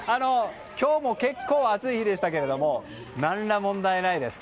今日も結構、暑い日でしたけど何ら問題ないです。